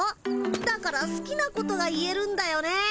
だからすきなことが言えるんだよね。